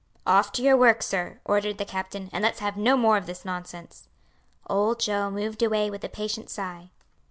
"Off to your work, sir," ordered the captain, "and let's have no more of this nonsense." Old Joe moved away with a patient sigh.